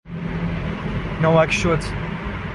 نواکشوت